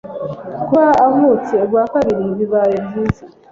kuba avutse ubwa kabiri bibaye byiza